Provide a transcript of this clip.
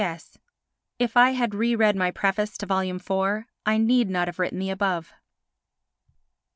S.—If I had re read my preface to Vol. IV, I need not have written the above.